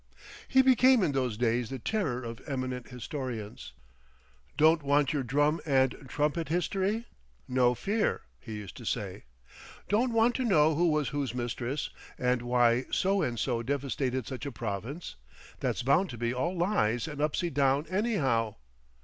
_" He became in those days the terror of eminent historians. "Don't want your drum and trumpet history—no fear," he used to say. "Don't want to know who was who's mistress, and why so and so devastated such a province; that's bound to be all lies and upsy down anyhow.